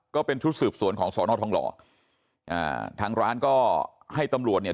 ก็เป็นชุดสืบสวนของสอนอทองหล่ออ่าทางร้านก็ให้ตำรวจเนี่ย